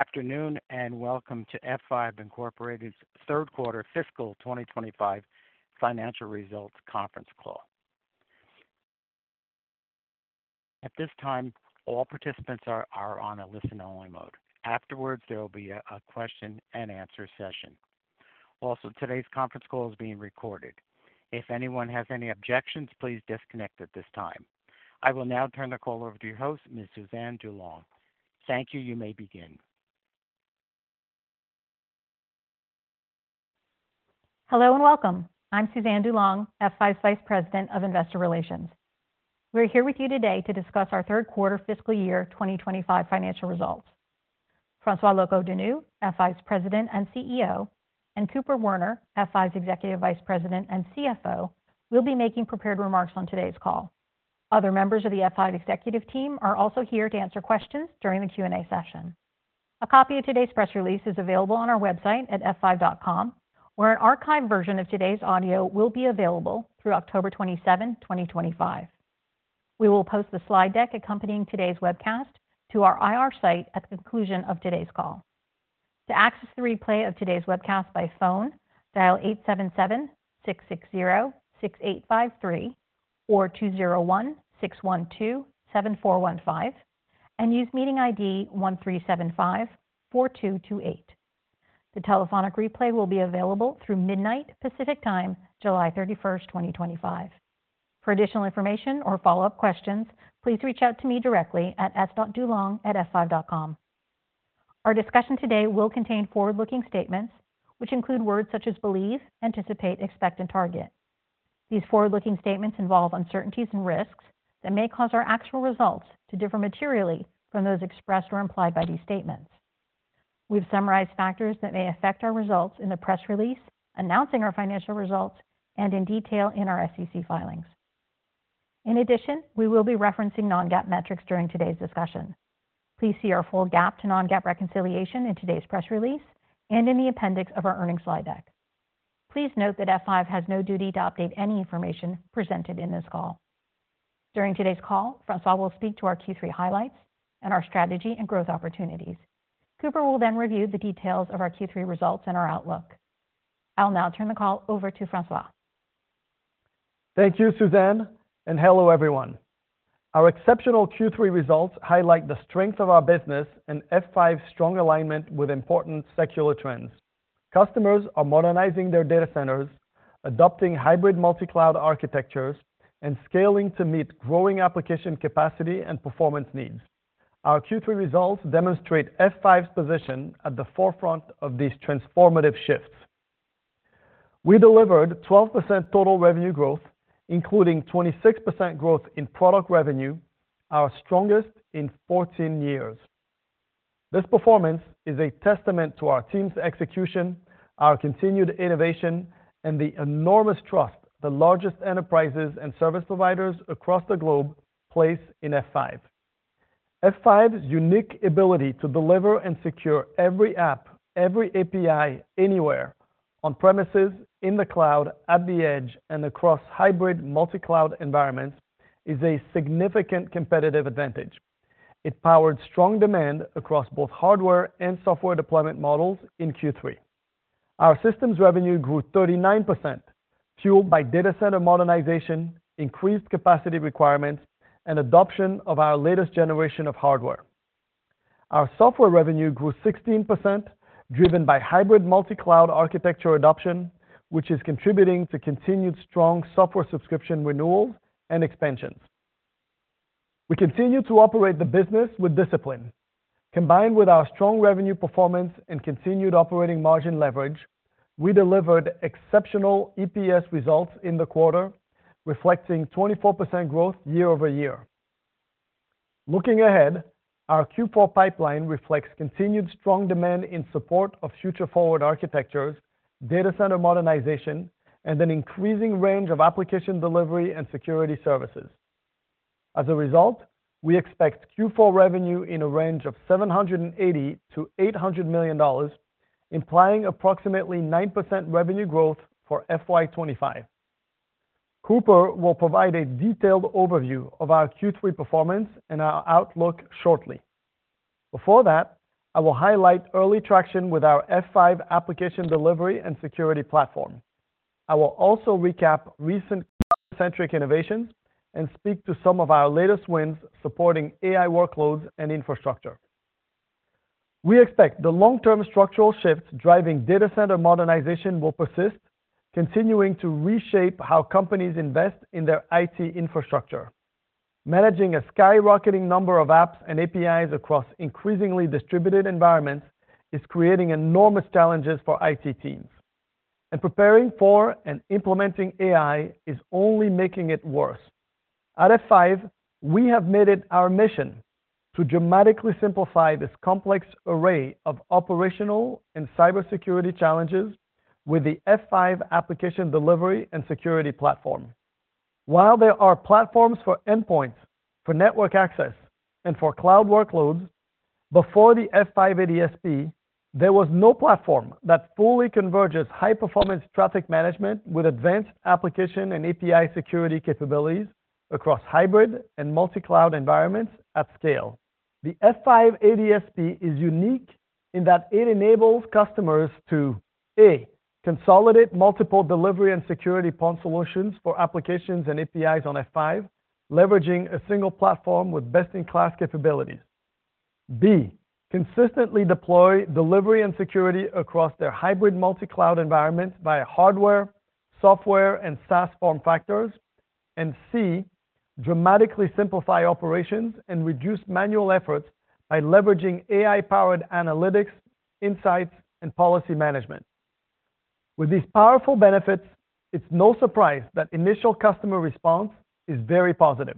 Afternoon and welcome to F5 third quarter fiscal 2025 financial results conference call. At this time, all participants are on a listen only mode. Afterwards, there will be a question and answer session. Also, today's conference call is being recorded. If anyone has any objections, please disconnect at this time. I will now turn the call over to your host, Ms. Suzanne DuLong. Thank you. You may begin. Hello and welcome. I'm Suzanne DuLong, F5's Vice President of Investor Relations. We're here with you today to discuss our third quarter fiscal year 2025 financial results. François Locoh-Donou, F5's President and CEO, and Cooper Werner, F5's Executive Vice President and CFO, will be making prepared remarks on today's call. Other members of the F5 executive team are also here to answer questions during the Q and A session. A copy of today's press release is available on our website at f5.com where an archived version of today's audio will be available through October 27, 2025. We will post the slide deck accompanying today's webcast to our IR site at the conclusion of today's call. To access the replay of today's webcast by phone, dial 877-660-6853 or 201-612-7415 and use meeting ID 1.375-4228. The telephonic replay will be available through For additional information or follow up questions, please reach out to me directly at f.dulong@f5.com. Our discussion today will contain forward looking statements which include words such as believe, anticipate, expect, and target. These forward looking statements involve uncertainties and risks that may cause our actual results to differ materially from those expressed or implied by these statements. We've summarized factors that may affect our results in the press release announcing our financial results and in detail in our SEC filings. In addition, we will be referencing non-GAAP metrics during today's discussion. Please see our full GAAP to non-GAAP reconciliation in today's press release and in the appendix of our earnings slide deck. Please note that F5 has no duty to update any information presented in this call. During today's call, François will speak to our Q3 highlights and our strategy and growth opportunities. Cooperwill then review the details of our Q3 results and our outlook. I'll now turn the call over to François. Thank you Suzanne and hello everyone. Our exceptional Q3 results highlight the strength of our business and F5's strong alignment. With important secular trends. Customers are modernizing their data centers, adopting hybrid multi-cloud architectures and scaling to meet growing application capacity and performance needs. Our Q3 results demonstrate F5's position at the forefront of these transformative shifts. We delivered 12% total revenue growth, including 26% growth in product revenue, our strongest in 14 years. This performance is a testament to our team's execution, our continued innovation, and the enormous trust the largest enterprises and service providers across the globe place in F5. F5's unique ability to deliver and secure every app, every API, anywhere on premises, in the cloud, at the edge, and across hybrid multi-cloud environments is a significant competitive advantage. It powered strong demand across both hardware and software deployment models. In Q3, our systems revenue grew 39%, fueled by data center modernization, increased capacity requirements, and adoption of our latest generation of hardware. Our software revenue grew 16%, driven by hybrid multi-cloud architecture adoption, which is contributing to continued strong software subscription renewals and expansions. We continue to operate the business with discipline combined with our strong revenue performance and continued operating margin leverage. We delivered exceptional EPS results in the quarter reflecting 24% growth year over year. Looking ahead, our Q4 pipeline reflects continued strong demand in support of future forward architectures, data center modernization, and an increasing range of application delivery and security services. As a result, we expect Q4 revenue in a range of $780 million-$800 million, implying approximately 9% revenue growth for FY25. Cooper will provide a detailed overview of. Our Q3 performance and our outlook. Shortly before that, I will highlight early traction with our F5 Application Delivery and Security Platform. I will also recap recent centric innovations and speak to some of our latest wins supporting AI workloads and infrastructure. We expect the long term structural shifts driving data center modernization will persist, continuing to reshape how companies invest in their IT infrastructure. Managing a skyrocketing number of apps and APIs across increasingly distributed environments is creating enormous challenges for IT teams and preparing for and implementing AI is only making it worse. At F5, we have made it our mission to dramatically simplify this complex array of operational and cybersecurity challenges with the F5 Application Delivery and Security Platform. While there are platforms for endpoints, for network access and for cloud workloads, before the F5 ADSP there was no platform that fully converges high performance traffic management with advanced application and API security capabilities across hybrid and multi cloud environments. At scale, the F5 ADSP is unique in that it enables customers to a consolidate multiple delivery and security point solutions for applications and APIs on F5, leveraging a single platform with best in class capabilities, b consistently deploy delivery and security across their hybrid multi cloud environment via hardware, software and SaaS form factors, and c dramatically simplify operations and reduce manual efforts by leveraging AI powered analytics, insights and policy management. With these powerful benefits, it's no surprise that initial customer response is very positive.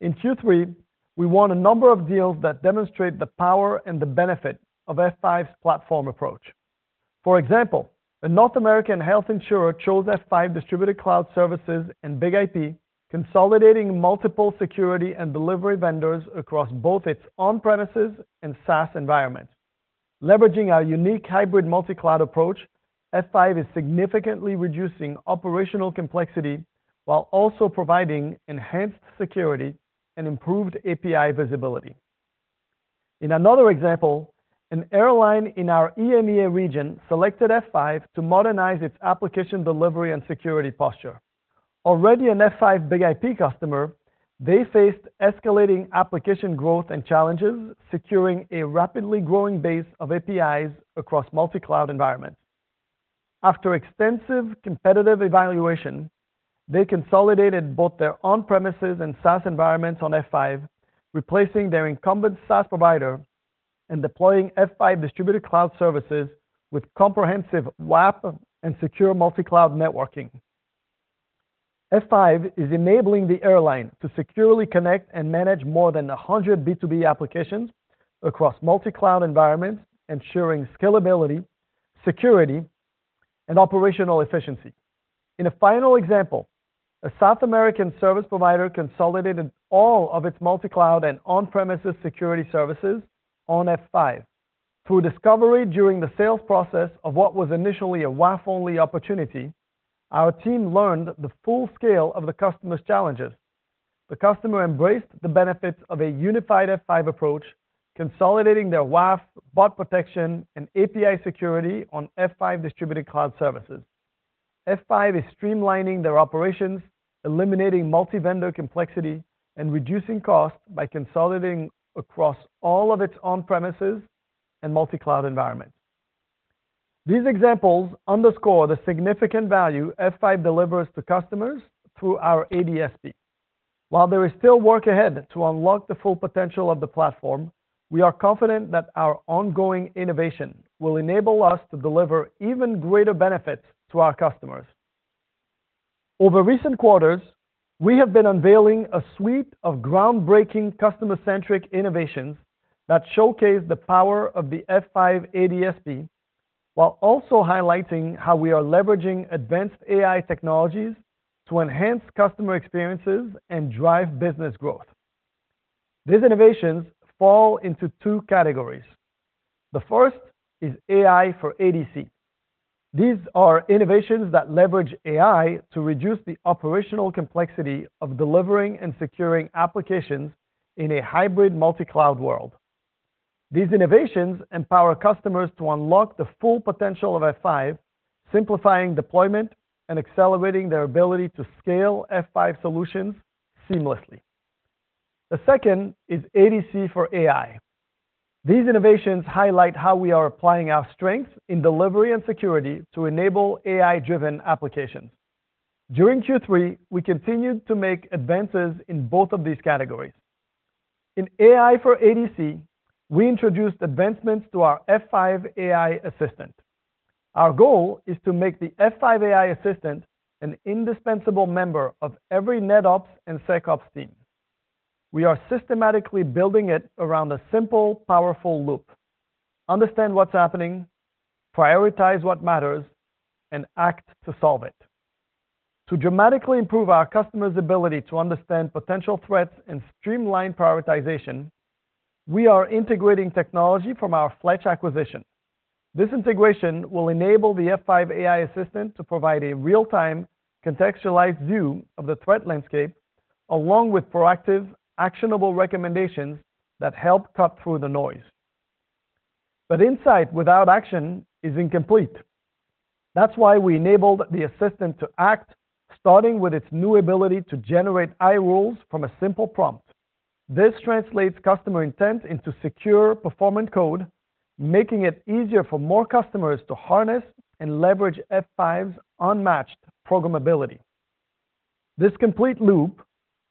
In Q3 we won a number of deals that demonstrate the power and the benefit of F5's platform approach. For example, a North American health insurer chose F5 Distributed Cloud Services and BIG-IP, consolidating multiple security and delivery vendors across both its on premises and SaaS environment. Leveraging our unique hybrid multi cloud approach, F5 is significantly reducing operational complexity while also providing enhanced security and improved API visibility. In another example, an airline in our EMEA region selected F5 to modernize its application delivery and security posture. Already an F5 BIG-IP customer, they faced escalating application growth and challenges securing a rapidly growing base of APIs across multi cloud environments. After extensive competitive evaluation, they consolidated both their on premises and SaaS environments on F5, replacing their incumbent SaaS provider and deploying F5 Distributed Cloud Services with comprehensive WAF and secure multi cloud networking. F5 is enabling the airline to securely connect and manage more than 100 B2B applications across multi cloud environment, ensuring scalability, security, and operational efficiency. In a final example, a South American service provider consolidated all of its multi cloud and on premises security services on F5 through Discovery. During the sales process of what was initially a WAF only opportunity, our team learned the full scale of the customer's challenges. The customer embraced the benefits of a unified F5 approach, consolidating their WAF, bot protection, and API security on F5 Distributed Cloud Services. F5 is streamlining their operations, eliminating multi vendor complexity, and reducing costs by consolidating across all of its on premises and multi cloud environment. These examples underscore the significant value F5 delivers to customers through our ADSP. While there is still work ahead to unlock the full potential of the platform, we are confident that our ongoing innovation will enable us to deliver even greater benefits to our customers. Over recent quarters we have been unveiling a suite of groundbreaking customer centric innovations that showcase the power of the F5 ADSP while also highlighting how we are leveraging advanced AI technologies to enhance customer experiences and drive business growth. These innovations fall into two categories. The first is AI for ADC. These are innovations that leverage AI to reduce the operational complexity of delivering and securing applications in a hybrid multi cloud world. These innovations empower customers to unlock the full potential of F5, simplifying deployment and accelerating their ability to scale F5 solutions seamlessly. The second is ADC for AI. These innovations highlight how we are applying our strength in delivery and security to enable AI driven applications. During Q3 we continued to make advances in both of these categories. In AI for ADC, we introduced advancements to our F5 AI Assistant. Our goal is to make the F5 AI Assistant an indispensable member of every netops and secops team. We are systematically building it around a simple, powerful loop, understand what's happening, prioritize. What matters and act to solve it. To dramatically improve our customers' ability to understand potential threats and streamline prioritization, we are integrating technology from our Fletch acquisition. This integration will enable the F5 AI Assistant to provide a real-time contextualized view of the threat landscape along with proactive actionable recommendations that help cut through the noise. Insight without action is incomplete. That is why we enabled the assistant to act, starting with its new ability to generate iRules from a simple prompt. This translates customer intent into secure, performant code, making it easier for more customers to harness and leverage F5's unmatched programmability. This complete loop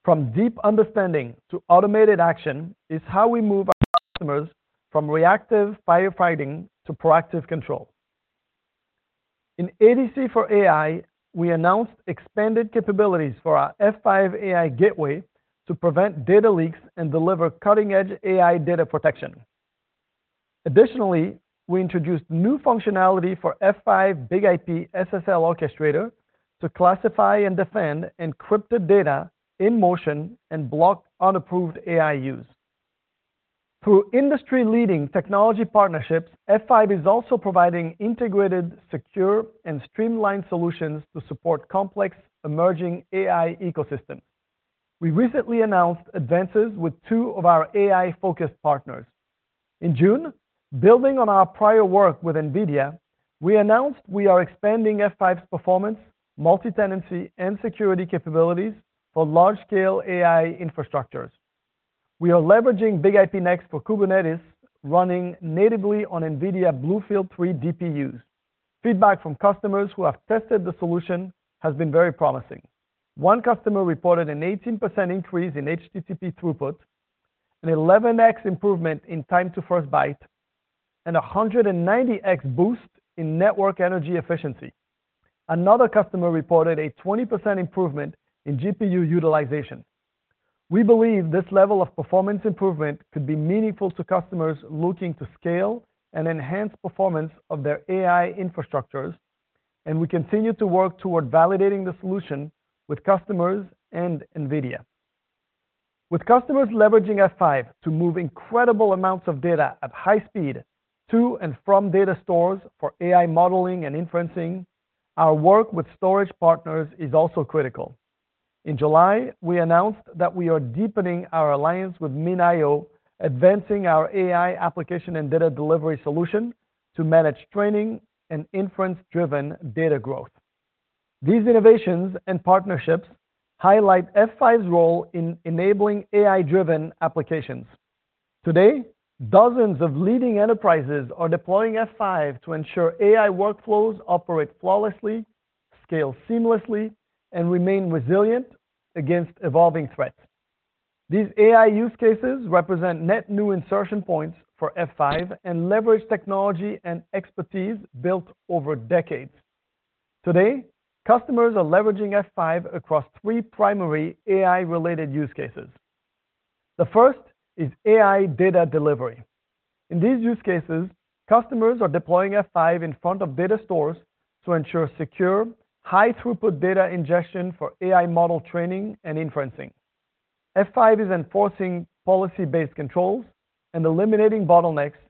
from deep understanding to automated action is how we move our customers from reactive firefighting to proactive control. In ADC for AI, we announced expanded capabilities for our F5 AI Gateway to prevent data leaks and deliver cutting-edge AI data protection. Additionally, we introduced new functionality for F5 BIG-IP SSL Orchestrator to classify and defend encrypted data in motion and block unapproved AI use. Through industry-leading technology partnerships, F5 is also providing integrated, secure, and streamlined solutions to support the complex emerging AI ecosystem. We recently announced advances with two of. Our AI focused partners. In June, building on our prior work with NVIDIA, we announced we are expanding F5's performance, multi-tenancy, and security capabilities for large-scale AI infrastructures. We are leveraging BIG-IP Next for Kubernetes running natively on NVIDIA BlueField-3 DPUs. Feedback from customers who have tested the solution has been very promising. One customer reported an 18% increase in HTTP throughput, an 11x improvement in time to first byte, and a 190x boost in network energy efficiency. Another customer reported a 20% improvement in GPU utilization. We believe this level of performance improvement could be meaningful to customers looking to scale and enhance performance of their AI infrastructures, and we continue to work toward validating the solution with customers and NVIDIA, with customers leveraging F5 to move incredible amounts of data at high speed to and from data stores for AI modeling and inferencing. Our work with storage partners is also critical. In July, we announced that we are deepening our alliance with MinIO, advancing our AI application and data delivery solution to manage training and inference-driven data growth. These innovations and partnerships highlight F5's role in enabling AI-driven applications. Today, dozens of leading enterprises are deploying F5 to ensure AI workflows operate flawlessly, scale seamlessly, and remain resilient against evolving threats. These AI use cases represent net new insertion points for F5 and leverage technology and expertise built over decades. Today, customers are leveraging F5 across three primary AI-related use cases. The first is AI data delivery. In these use cases, customers are deploying F5 in front of data stores to ensure secure, high-throughput data ingestion for AI model training and inferencing. F5 is enforcing policy-based controls and eliminating bottlenecks,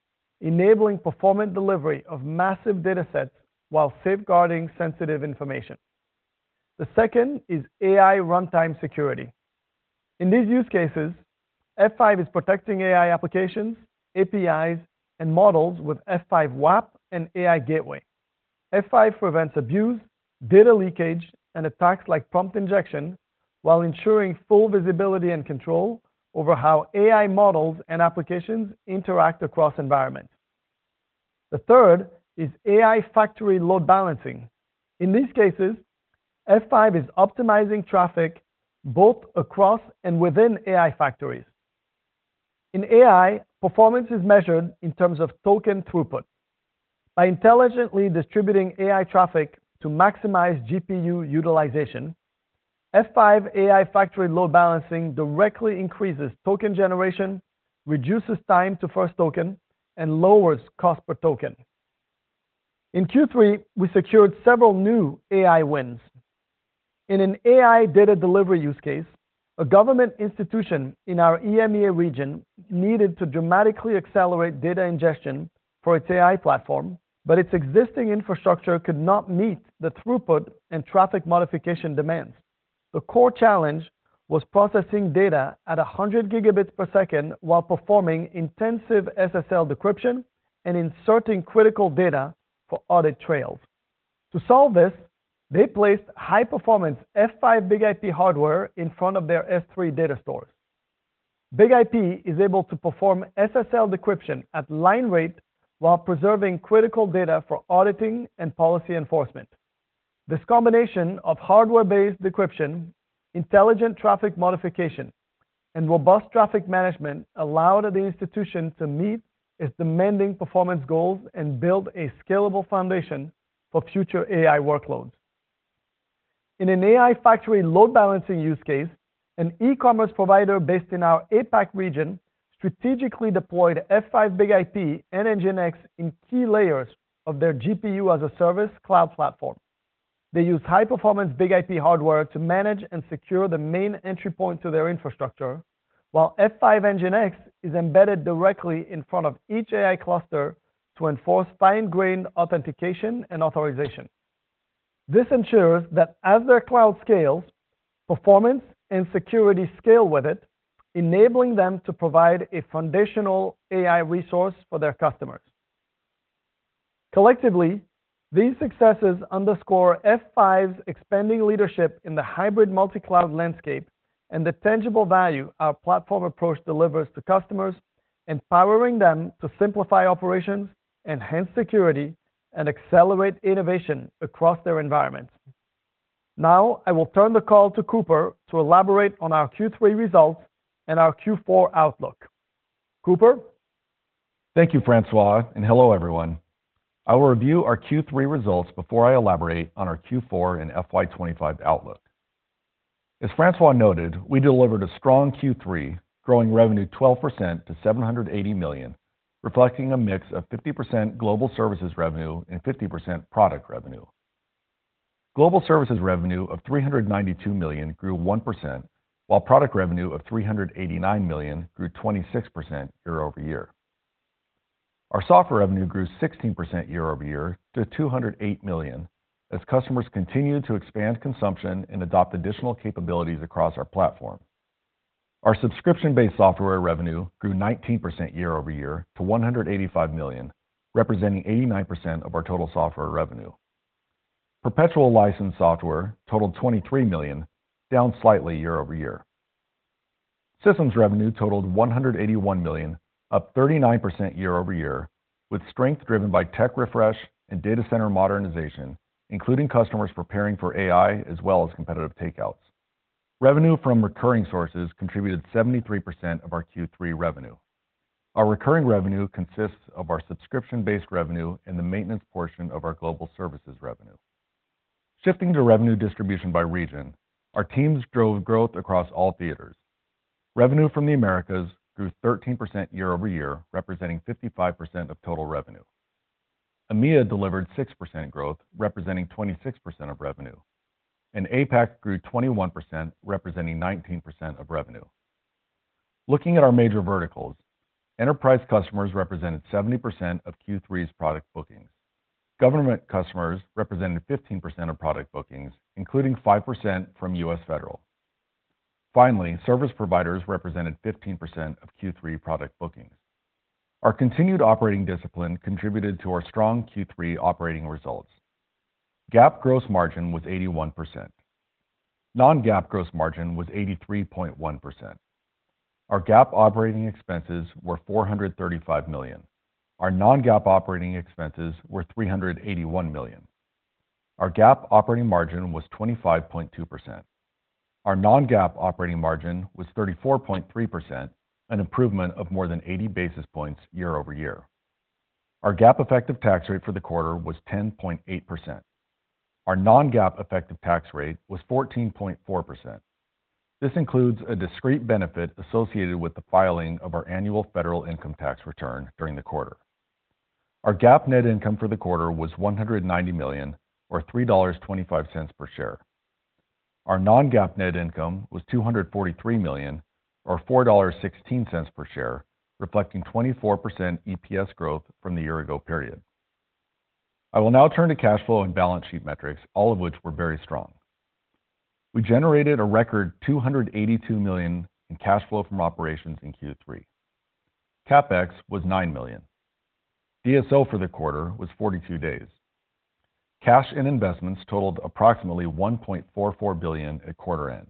enabling performant delivery of massive data sets while safeguarding sensitive information. The second is AI runtime security. In these use cases, F5 is protecting AI applications, APIs, and models with F5, WAF, and AI Gateway. F5 prevents abuse, data leakage, and attacks like prompt injection while ensuring full visibility and control over how AI models and applications interact across environments. The third is AI factory load balancing. In these cases, F5 is optimizing traffic both across and within AI factories. In AI, performance is measured in terms of token throughput by intelligently distributing AI traffic to maximize GPU utilization. F5 AI factory load balancing directly increases token generation, reduces time to first token, and. Lowers cost per token. In Q3 we secured several new AI wins in an AI data delivery use case. A government institution in our EMEA region needed to dramatically accelerate data ingestion for its AI platform, but its existing infrastructure could not meet the throughput and traffic modification demand. The core challenge was processing data at 100 gigabits per second while performing intensive SSL decryption and inserting critical data for audit trails. To solve this, they placed high performance F5 BIG-IP hardware in front of their S3 data stores. BIG-IP is able to perform SSL decryption at line rate while preserving critical data for auditing and policy enforcement. This combination of hardware-based decryption, intelligent traffic modification, and robust traffic management allowed the institution to meet its demanding performance goals and build a scalable foundation for future AI workloads. In an AI factory load balancing use case, an e-commerce provider based in our APAC region strategically deployed F5 BIG-IP and F5 NGINX in key layers of their GPU as a service cloud platform. They use high performance BIG-IP hardware to manage and secure the main entry point to their infrastructure while F5 NGINX is embedded directly in front of each AI cluster to enforce fine-grained authentication and authorization. This ensures that as their cloud scales, performance and security scale with it, enabling them to provide a foundational AI resource for their customers. Collectively, these successes underscore F5's expanding leadership in the hybrid multi-cloud landscape and the tangible value our platform approach delivers to customers, empowering them to simplify operations, enhance security, and accelerate innovation across their environment. Now I will turn the call to Cooper to elaborate on our Q3 results. Our Q4 outlook. Cooper. Thank you François and hello everyone. I will review our Q3 results before I elaborate on our Q4 and FY25 outlook. As François noted, we delivered a strong Q3 growing revenue 12% to $780 million, reflecting a mix of 50% global services revenue and 50% product revenue. Global services revenue of $392 million grew 1% while product revenue of $389 million grew 26% year over year. Our software revenue grew 16% year over year to $208 million as customers continue to expand consumption and adopt additional capabilities across our platform. Our subscription based software revenue grew 19% year over year to $185 million, representing 89% of our total software revenue. Perpetual licensed software totaled $23 million, down slightly year over year. Systems revenue totaled $181 million, up 39% year over year with strength driven by tech refresh and data center modernization, including customers preparing for AI as well as competitive takeouts. Revenue from recurring sources contributed 73% of our Q3 revenue. Our recurring revenue consists of our subscription based revenue and the maintenance portion of our global services revenue. Shifting to revenue distribution by region, our teams drove growth across all theaters. Revenue from the Americas grew 13% year over year representing 55% of total revenue. EMEA delivered 6% growth representing 26% of revenue and APAC grew 21% representing 19% of revenue. Looking at our major verticals, GAAP gross margin was 81% non-GAAP gross margin was 83.1%. Our GAAP operating expenses were $435 million. Our non-GAAP operating expenses were $381 million. Our GAAP operating margin was 25.2%. Our non-GAAP operating margin was 34.3%, an improvement of more than 80 basis points. Points year over year. Our GAAP effective tax rate for the quarter was 10.8%. Our non-GAAP effective tax rate was 14.4%. This includes a discrete benefit associated with the filing of our annual federal income tax return during the quarter. Our GAAP net income for the quarter was $190 million or $3.25 per share. Our non-GAAP net income was $243 million or $4.16 per share, reflecting 24% EPS growth from the year-ago period. I will now turn to cash flow and balance sheet metrics, all of which were very strong. We generated a record $282 million in cash flow from operations in Q3. CapEx was $9 million. DSO for the quarter was 42 days. Cash and investments totaled approximately $1.44 billion at quarter end.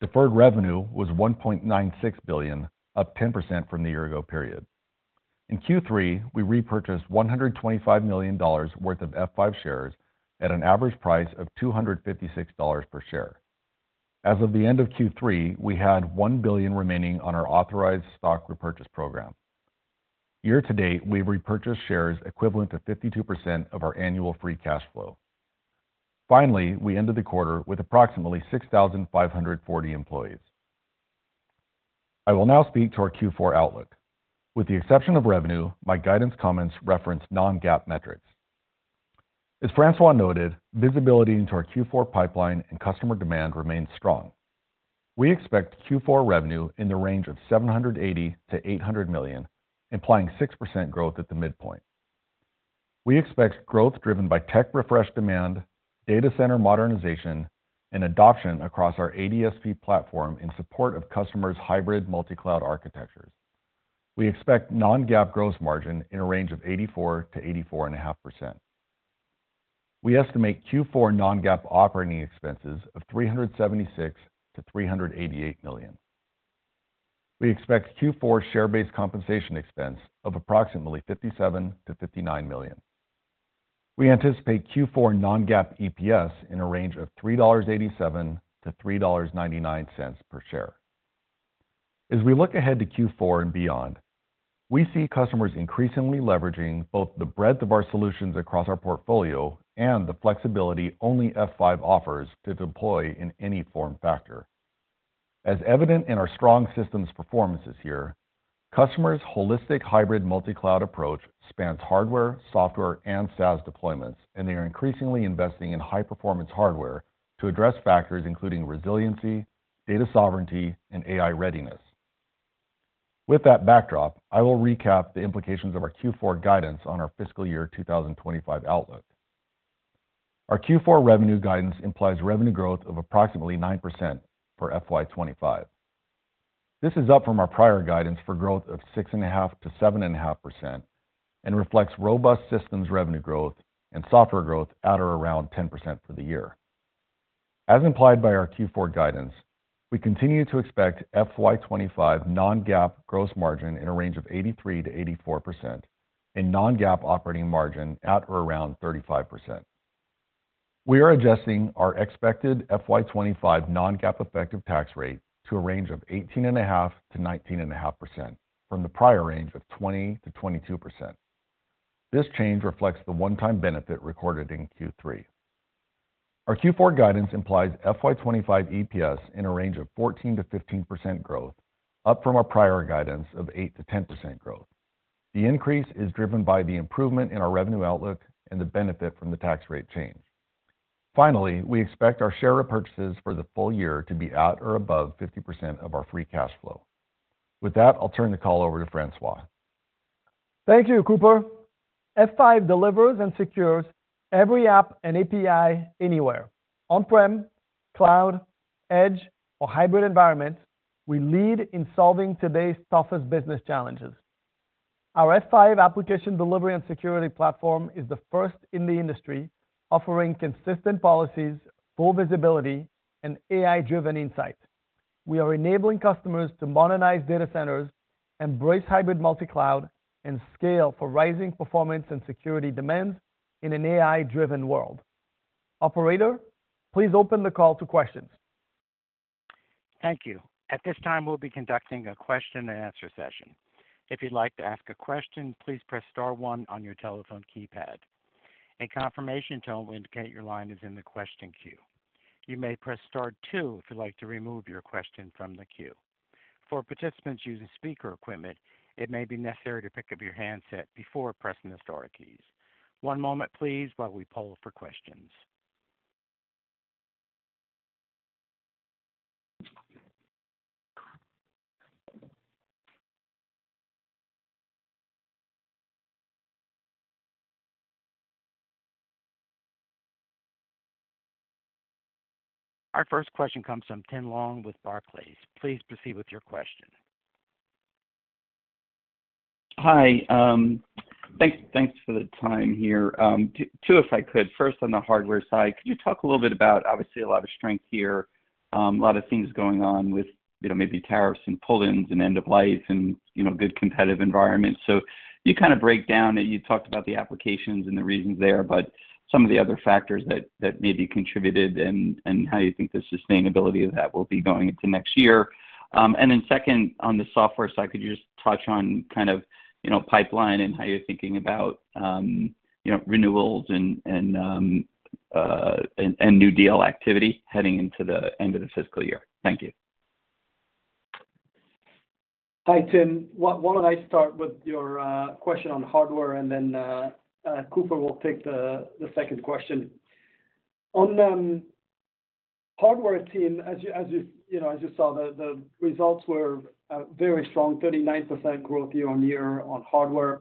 Deferred revenue was $1.96 billion, up 10% from the year-ago period. In Q3 we repurchased $125 million worth of F5 shares at an average price of $256 per share. As of the end of Q3, we had $1 billion remaining on our authorized stock repurchase program. Year to date we have repurchased shares equivalent to 52% of our annual free cash flow. Finally, we ended the quarter with approximately 6,540 employees. I will now speak to our Q4 outlook with the exception of revenue. My guidance comments reference non-GAAP metrics. As François noted, visibility into our Q4 pipeline and customer demand remains strong. We expect Q4 revenue in the range of $780-$800 million, implying 6% growth at the midpoint. We expect growth driven by tech refresh demand, data center modernization, and adoption across our ADSP platform in support of customers' hybrid multi-cloud architectures. We expect non-GAAP gross margin in a range of 84-84.5%. We estimate Q4 non-GAAP operating expenses of $376-$388 million. We expect Q4 share-based compensation expense of approximately $57-$59 million. We anticipate Q4 non-GAAP EPS in a range of $3.87-$3.99 per share. As we look ahead to Q4 and beyond, we see customers increasingly leveraging both the breadth of our solutions across our portfolio and the flexibility only F5 offers to deploy in any form factor as evident in our strong systems performances here. Customers' holistic hybrid multi-cloud approach spans hardware, software, and SaaS deployments, and they are increasingly investing in high-performance hardware to address factors including resiliency, data sovereignty, and AI readiness. With that backdrop, I will recap the implications of our Q4 guidance on our fiscal year 2025 outlook. Our Q4 revenue guidance implies revenue growth of approximately 9% for FY2025. This is up from our prior guidance for growth of 6.5-7.5% and reflects robust systems revenue growth and software. Growth at or around 10% for the year. As implied by our Q4 guidance. We continue to expect FY25 non-GAAP gross margin in a range of 83-84% and non-GAAP operating margin at or around 35%. We are adjusting our expected FY25 non-GAAP effective tax rate to a range of 18.5-19.5% from the prior range of 20-22%. This change reflects the one-time benefit recorded in Q3. Our Q4 guidance implies FY25 EPS in a range of 14-15% growth, up from our prior guidance of 8-10% growth. The increase is driven by the improvement in our revenue outlook and the benefit from the tax rate change. Finally, we expect our share repurchases for the full year to be at or above 50% of our free cash flow. With that, I'll turn the call over to François. Thank you, Cooper. F5 delivers and secures every app and API anywhere, on prem, cloud, edge, or hybrid environment. We lead in solving today's toughest business challenges. Our F5 Application Delivery and Security Platform is the first in the industry offering consistent policies, full visibility, and AI-driven insight. We are enabling customers to modernize data centers, embrace hybrid multi-cloud, and scale for rising performance and security demands in an AI-driven world. Operator, please open the call to questions. Thank you. At this time we'll be conducting a question and answer session. If you'd like to ask a question, please press Star one on your telephone keypad. A confirmation tone will indicate your line is in the question queue. You may press Star two if you'd like to remove your question from the queue. For participants using speaker equipment, it may be necessary to pick up your handset before pressing the Star keys. One moment please, while we poll for questions. Our first question comes from Tim Long with Barclays. Please proceed with your question. Hi, thanks for the time here. Two if I could. First on the hardware side, could you. Talk a little bit about obviously a. Lot of strength here, a lot of. Things going on with, you know, maybe tariffs and pull ins and end of life and, you know, good competitive environment. You kind of break down that. You talked about the applications and the reasons there, but some of the other factors that maybe contributed and how you think the sustainability of that will be going into next year. Then second on the software side. Could you just touch on kind of, you know, pipeline and how you're thinking? About, you know, renewals and new deal activity heading into the end of the fiscal year. Thank you. Hi Tim, why don't I start with your question on hardware and then Cooper will take the second question on hardware. Team, as you saw, the results were very strong. 39% growth year on year on hardware.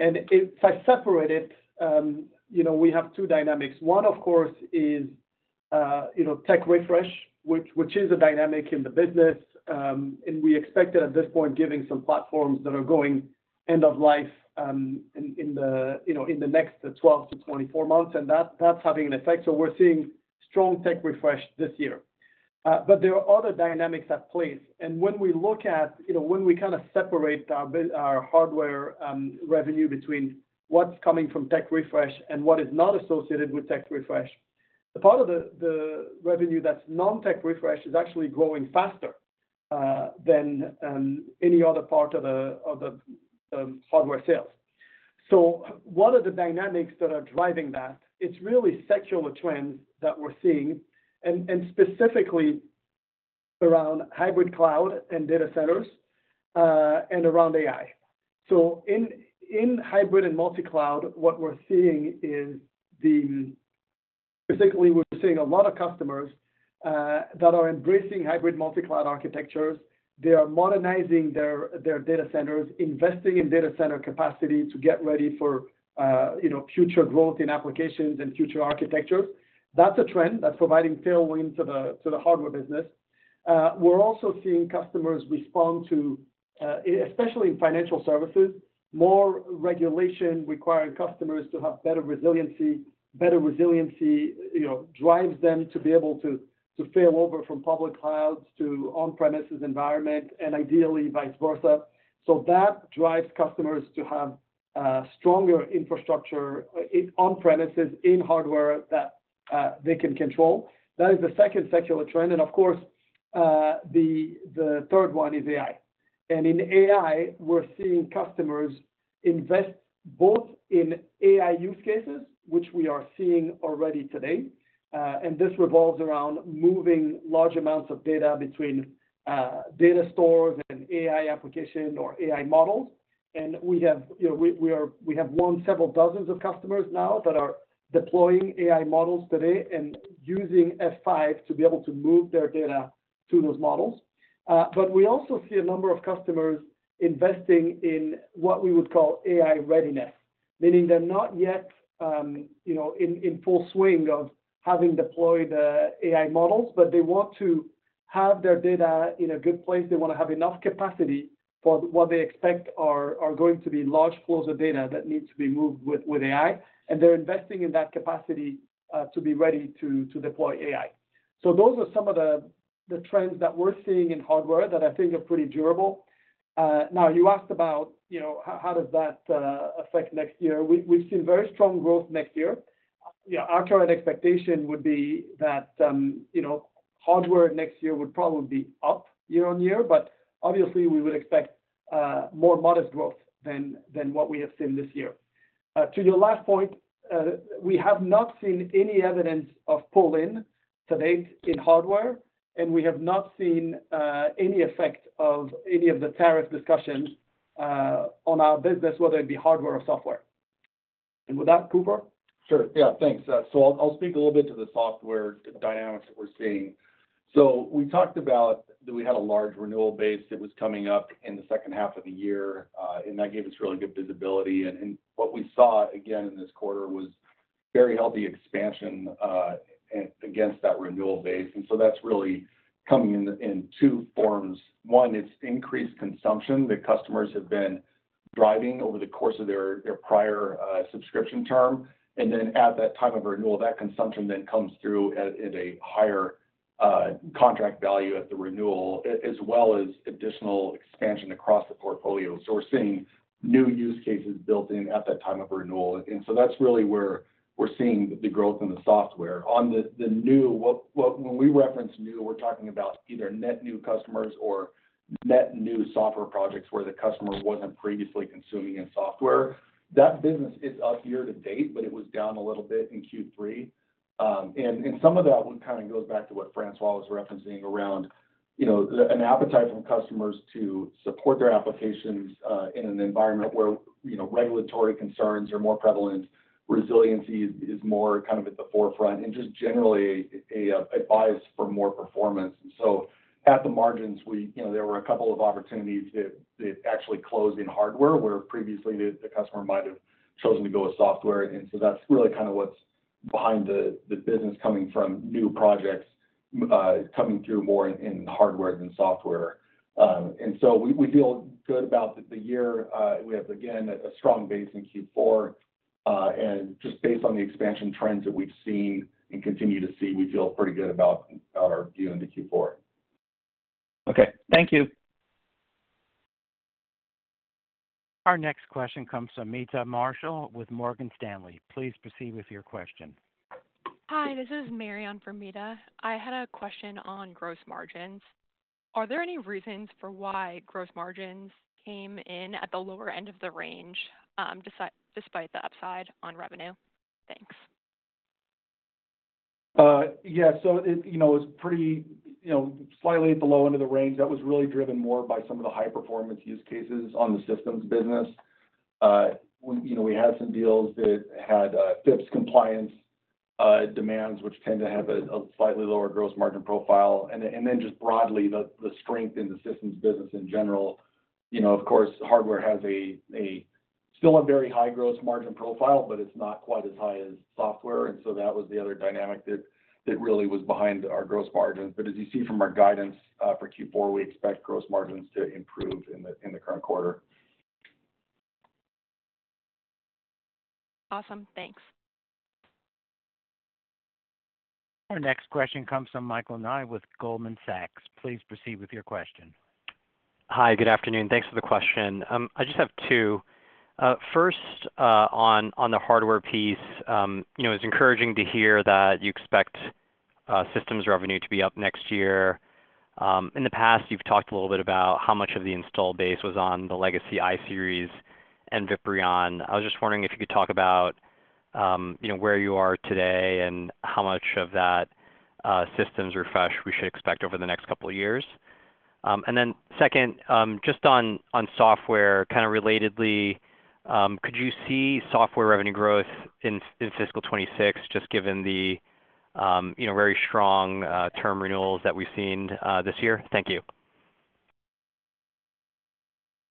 I separated, we have two dynamics. One of course is tech refresh, which is a dynamic in the business and we expected at this point given some platforms that are going to end of life in the, you know, in the next 12 to 24 months and that's having an effect. We are seeing strong tech refresh this year. There are other dynamics at play. When we look at, you know, when we kind of separate our hardware revenue between what's coming from tech refresh and what is not associated with tech refresh, the part of the revenue that's non tech refresh is actually growing faster than any other part of the hardware sales. What are the dynamics that are driving that? It's really secular trend that we're seeing and specifically around hybrid cloud and data centers and around AI. In hybrid and multi cloud, what we're seeing is that particularly we're seeing a lot of customers that are embracing hybrid multi-cloud architectures. They are modernizing their data centers, investing in data center capacity to get ready for future growth in applications and future architecture. That's a trend that's providing tailwind to the hardware business. We're also seeing customers respond to, especially in financial services, more regulation requiring customers to have better resiliency. Better resiliency drives them to be able to fail over from public clouds to on-premises environment and ideally vice versa. That drives customers to have stronger infrastructure on premises in hardware that they can control. That is the second secular trend. Of course the third one is AI. In AI we're seeing customers invest both in AI use cases, which we are seeing already today. This revolves around moving large amounts of data between data stores and AI application or AI models. We have, you know, we have more than several dozens of customers now that are deploying AI models per day and using F5 to be able to move their data to those models. We also see a number of customers investing in what we would call AI readiness, meaning they're not yet, you know, in full swing of having deployed AI models, but they want to have their data in a good place. They want to have enough capacity for what they expect are going to be large flows of data that need to be moved with AI, and they're investing in that capacity to be ready to deploy AI. Those are some of the trends that we're seeing in hardware that I think are pretty durable. You asked about, you know, how does that affect next year? We've seen very strong growth next year. Our current expectation would be that, you know, hardware next year would probably be up year on year, but obviously we would expect more modest growth than what we have seen this year. To your last point, we have not seen any evidence of pull-in sedate in hardware, and we have not seen any effect of any of the tariff discussions on our business, whether it be hardware or software. With that, Cooper. Sure, yeah, thanks. I'll speak a little bit to the software dynamics that we're seeing. We talked about that we had a large renewal base that was coming up in the second half of the year, and that gave us really good visibility. What we saw again in this quarter was very healthy expansion against that renewal base. That is really coming in two forms. One, it's increased consumption that customers have been driving over the course of their prior subscription term. Then at that time of renewal, that consumption then comes through at a higher contract value at the renewal as well as additional expansion across the portfolio. We're seeing new use cases built in at that time of renewal. That is really where we're seeing the growth in the software. On the new, when we reference new, we're talking about either net new customers or net new software projects where the customer wasn't previously consuming. In software, that business is up year to date, but it was down a little bit in Q3. Some of that would kind of go back to what François was referencing around, you know, an appetite from customers to support their applications in an environment where, you know, regulatory concerns are more prevalent. Resiliency is more kind of at the forefront and just generally a advice for more performance. At the margins, we, you know, there were a couple of opportunities that actually closed in hardware where previously the customer might have chosen to go with software. That is really kind of what's behind the business, coming from new projects coming through more in hardware than software. We feel good about the year. We have again a strong base in Q4. Just based on the expansion trends that we've seen and continue to see, we feel pretty good about our view into Q4. Okay, thank you. Our next question comes from Mita Marshall with Morgan Stanley. Please proceed with your question. Hi, this is Mita Marshall. I had a question on gross margins. Are there any reasons for why gross margins came in at the lower end of the range despite the upside on revenue? Thanks. Yeah, so it, you know, it was. Pretty, you know, slightly at the low end of the range. That was really driven more by some of the high performance use cases on the systems business. You know, we had some deals that had FIPS compliance demands which tend to have a slightly lower gross margin profile. Then just broadly the strength in the systems business general, you know, of course hardware has a still a very high gross margin profile, but it's not quite as high as software. That was the other dynamic that really was behind our gross margins. As you see from our guidance for Q4, we expect gross margins to improve in the current quarter. Awesome. Thanks. Our next question comes from Michael Nye with Goldman Sachs. Please proceed with your question. Hi, good afternoon. Thanks for the question. I just have two. First, on the hardware piece, you know, it's encouraging to hear that you expect systems revenue to be up next year. In the past you've talked a little bit about how much of the install base was on the legacy I series and VIPRION. I was just wondering if you could talk about, you know, where you are today and how much of that systems refresh we should expect over the next couple years. Then second, just on software, kind of relatedly, could you see software revenue growth in fiscal 2026 just given the very strong term renewals that we've seen this year? Thank you.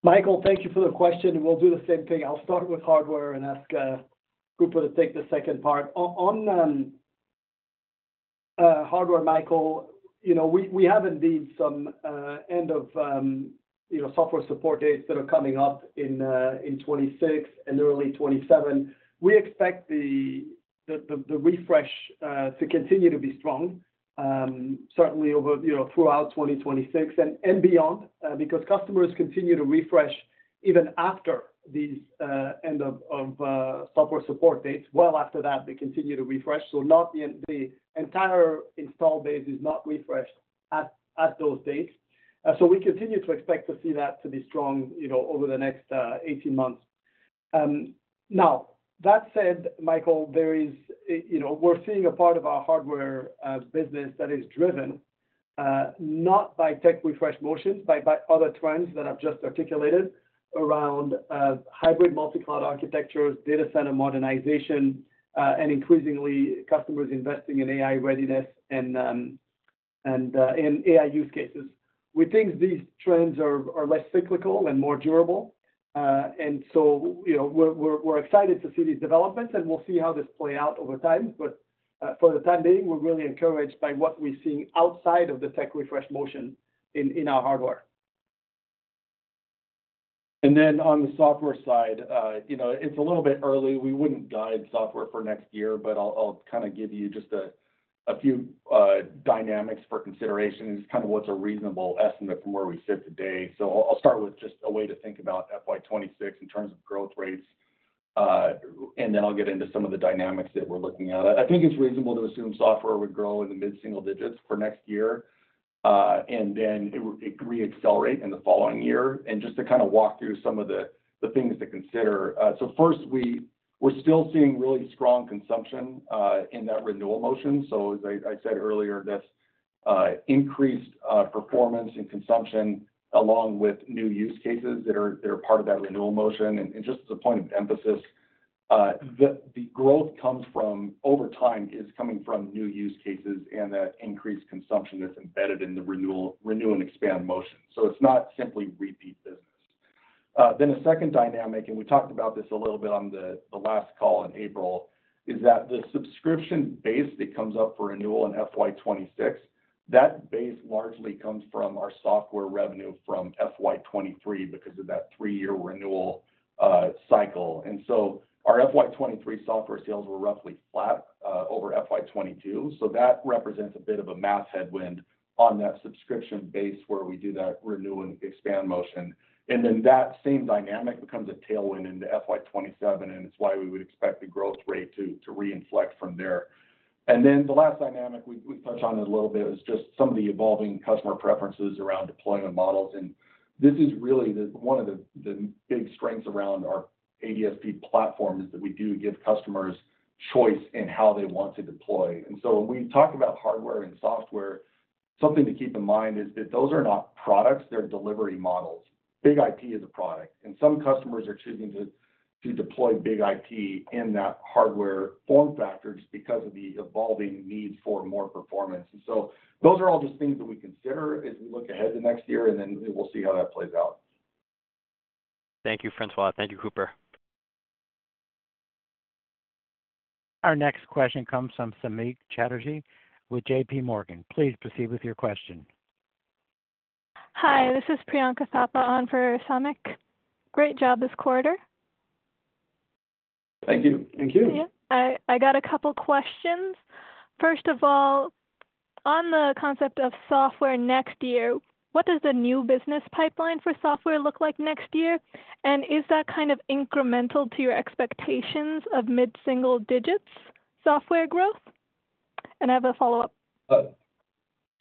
Michael. Thank you for the question. We'll do the same thing. I'll start with hardware and ask Cooper to take the second part on hardware. Michael, we have indeed some end of software support dates that are coming up in 2026 and early 2027. We expect the refresh to continue to be strong certainly throughout 2026 and beyond because customers continue to refresh even after the end of software support dates. After that they continue to refresh. So not the entire install base is refreshed at those dates. We continue to expect to see that to be strong over the next 18 months. That said, Michael, we're seeing a part of our hardware business that is driven not by tech refresh motions, but by other trends that I've just articulated around hybrid multi-cloud architectures, data center modernization, and increasingly customers investing in AI readiness and AI use cases. We think these trends are less cyclical and more durable. We are excited to see these developments and we'll see how this plays out over time. For the time being we're really encouraged by what we're seeing outside of the tech refresh motion in our hardware. On the software side, you know, it's a little bit early, we wouldn't guide software for next year. I'll kind of give you just a few dynamics for consideration as kind of what's a reasonable estimate from where we sit today. I'll start with just a way to think about FY2026 in terms of growth rates and then I'll get into some of the dynamics that we're looking at. I think it's reasonable to assume software would grow in the mid single digits for next year and then it would reaccelerate in the following year. Just to kind of walk through some of the things to consider. First, we're still seeing really strong consumption in that renewal motion. As I said earlier, that's increased performance and consumption along with new use cases that are part of that renewal motion. Just as a point of emphasis, the growth that comes over time is coming from new use cases and that increased consumption that's embedded in the renew and expand. It's not simply repeat business. A second dynamic, and we talked about this a little bit on the last call in April, is that the subscription base that comes up for renewal in FY2026, that base largely comes from our software revenue from FY2023 because of that three year renewal cycle. Our FY2023 software sales were roughly flat over FY2022. That represents a bit of a mass headwind on that subscription base where we do that renew and expand motion, and then that same dynamic becomes a tailwind into FY2027. It's why we would expect the growth rate to re-inflect from there. The last dynamic we touched on a little bit is just some of the evolving customer preferences around deployment models. This is really one of the big strengths around our ADSP platform, that we do give customers choice in how they want to deploy. When we talk about hardware and software, something to keep in mind is that those are not products, they're delivery models. BIG-IP is a product, and some customers are choosing to deploy BIG-IP in that hardware form factor just because of the evolving need for more performance. Those are all just things that we consider as we look ahead to next year and then we'll see how that plays out. Thank you, François. Thank you, Cooper. Our next question comes from Sameet Chatterjee with JPMorgan. Please proceed with your question. Hi, this is Priyanka Thapa on for Sumiq. Great job this quarter. Thank you. Thank you. I got a couple questions. First of all on the concept of software next year. What does the new business pipeline for software look like next year and is that kind of incremental to your expectations of mid single digits software growth? I have a follow up.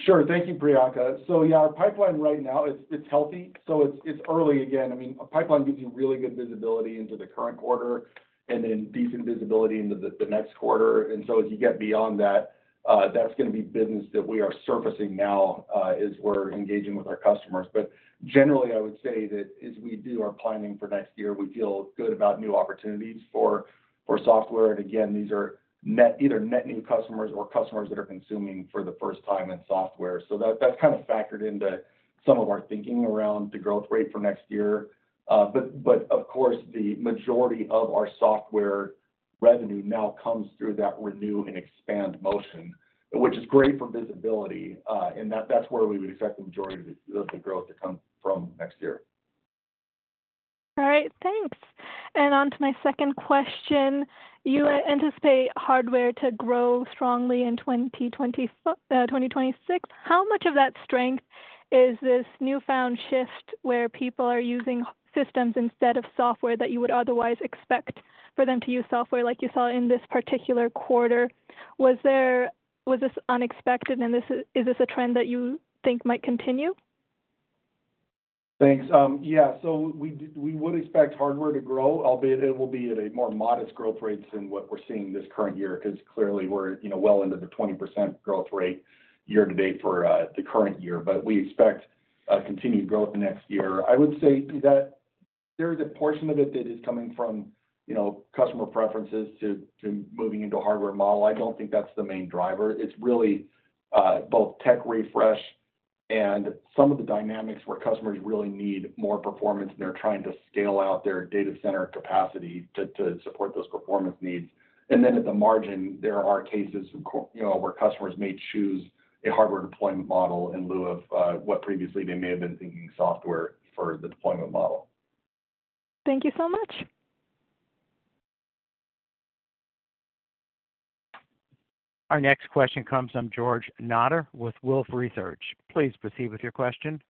Sure. Thank you, Priyanka. Yeah, our pipeline right now, it's healthy. It's early again. I mean, pipeline gives you really good visibility into the current quarter and then decent visibility into the next quarter. As you get beyond that, that's going to be business that we are surfacing now as we're engaging with our customers. Generally I would say that as we do our planning for next year, we feel good about new opportunities for software. Again, these are either net new customers or customers that are consuming for the first time in software. That's kind of factored into some of our thinking around the growth rate for next year. Of course, the majority of our software revenue now comes through that renew and expand motion, which is great for visibility. That's where we would expect the majority of the growth to come from next year. All right, thanks. On to my second question. You anticipate hardware to grow strongly in 2025, 2026. How much of that strength is this newfound shift where people are using systems instead of software that you would otherwise expect for them to use software? Like you saw in this particular quarter, was this unexpected and is this a trend that you think might continue? Thanks. Yeah, we would expect hardware to grow, albeit it will be at a more modest growth rate than what we're seeing this current year because clearly we're well into the 20% growth rate year to date for the current year, but we expect continued growth next year. I would say that there is a portion of it that is coming from, you know, customer preferences to moving into hardware model. I don't think that's the main driver. It's really both tech refresh and some of the dynamics where customers really need more performance and they're trying to scale out their data center capacity to support those performance needs. At the margin there are cases where customers may choose a hardware. Deployment model in lieu of what previously. They may have been thinking software for the deployment model. Thank you so much. Our next question comes from George Notter with Wolfe Research. Please proceed with your question.